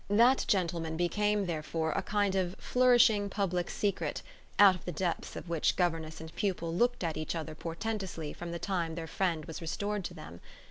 That gentleman became therefore a kind of flourishing public secret, out of the depths of which governess and pupil looked at each other portentously from the time their friend was restored to them.